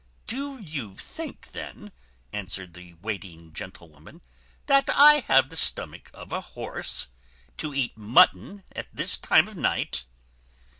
"Do you think, then," answered the waiting gentlewoman, "that I have the stomach of a horse, to eat mutton at this time of night?